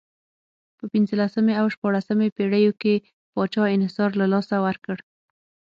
په پنځلسمې او شپاړسمې پېړیو کې پاچا انحصار له لاسه ورکړ.